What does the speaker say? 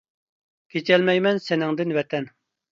كېچەلمەيمەن سېنىڭدىن ۋەتەن!